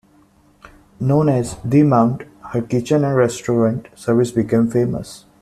Known as "The Mount", her kitchen and restaurant service became famous.